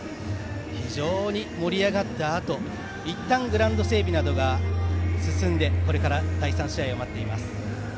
非常に盛り上がったあといったんグラウンド整備などが進んでこれから第４試合を待っています。